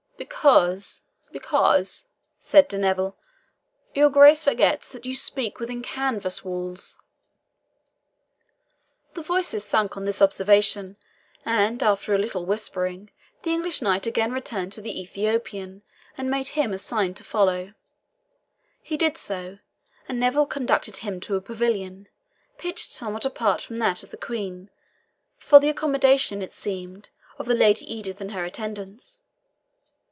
"Because," said De Neville, "your Grace forgets that you speak within canvas walls." The voices sunk on this observation, and after a little whispering, the English knight again returned to the Ethiopian, and made him a sign to follow. He did so, and Neville conducted him to a pavilion, pitched somewhat apart from that of the Queen, for the accommodation, it seemed, of the Lady Edith and her attendants.